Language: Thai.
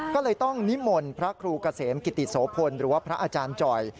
ก็เลยต้องนิมนต์พระครูเกษมกิติโสพลหรือว่าพระอาจารย์จ่อย